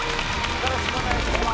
よろしくお願いします！